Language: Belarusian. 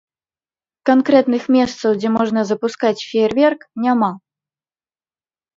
Канкрэтных месцаў, дзе можна запускаць феерверк, няма.